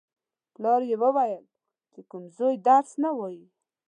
پلار یې ویل: چې کوم زوی درس نه وايي.